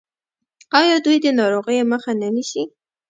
آیا دوی د ناروغیو مخه نه نیسي؟